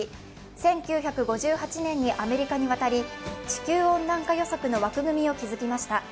１９５８年にアメリカに渡り、地球温暖化予測の枠組みを築きました。